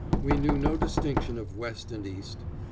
We knew no distinction of West and East.